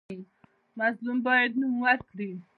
مظلوم باید نوم ورکړي.